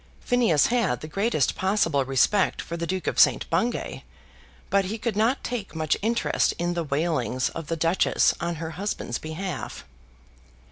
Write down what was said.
Phineas had the greatest possible respect for the Duke of St. Bungay, but he could not take much interest in the wailings of the Duchess on her husband's behalf.